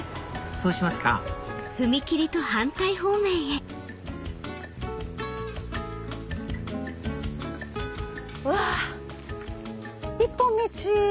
そうしますかうわ一本道！